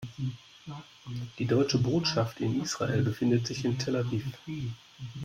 Die Deutsche Botschaft in Israel befindet sich in Tel Aviv.